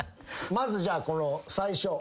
まずじゃあこの最初。